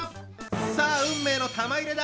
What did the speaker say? さあ運命の玉入れだ！